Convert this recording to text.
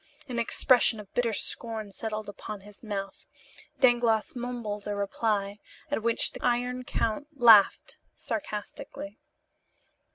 An expression of bitter scorn settled upon his mouth, Dangloss mumbled a reply, at which the Iron Count laughed sarcastically.